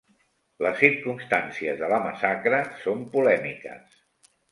Les circumstàncies de la massacre són polèmiques.